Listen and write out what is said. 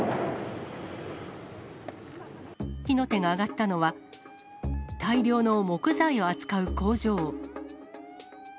火の手が上がったのは、大量の木材を扱う工場。